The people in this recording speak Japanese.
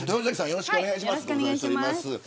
よろしくお願いします